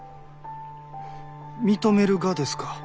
認めるがですか？